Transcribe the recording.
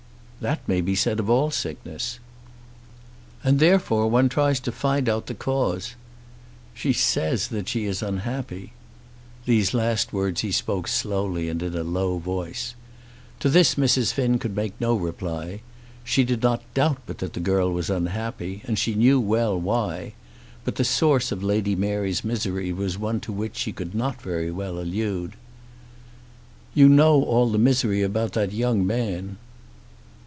"That may be said of all sickness." "And therefore one tries to find out the cause. She says that she is unhappy." These last words he spoke slowly and in a low voice. To this Mrs. Finn could make no reply. She did not doubt but that the girl was unhappy, and she knew well why; but the source of Lady Mary's misery was one to which she could not very well allude. "You know all the misery about that young man."